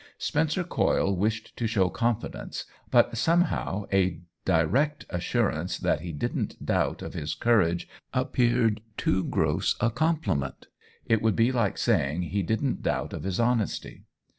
Spencer Coyle wished to show confidence, but somehow a direct assurance that he didn't doubt of his courage ap peared too gross a compliment — it would be like saying he didn't doubt of his honesty.